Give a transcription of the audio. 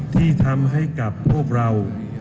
ที่ทำให้กับพวกเรา